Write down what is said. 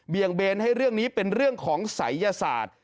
เบนให้เรื่องนี้เป็นเรื่องของศัยยศาสตร์